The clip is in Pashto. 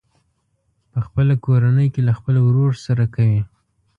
په خپله کورنۍ کې له خپل ورور سره کوي.